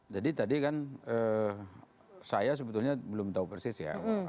jadi tadi kan saya sebetulnya belum tahu persis ya